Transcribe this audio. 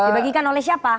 dibagikan oleh siapa